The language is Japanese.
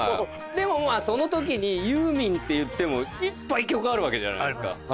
でもまあ、そのときに、ユーミンっていっても、いっぱい曲があるわけじゃないですか。あります。